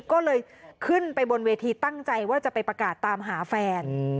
ก็เลยขึ้นไปบนเวทีตั้งใจว่าจะไปประกาศตามหาแฟน